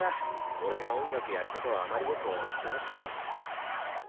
俺が音楽やることをあまりよく思ってなくてさ。